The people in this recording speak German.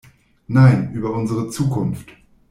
Nein, über unsere Zukunft.